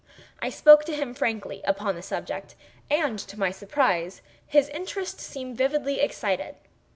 I spoke to him frankly upon the subject; and, to my surprise, his interest seemed vividly excited.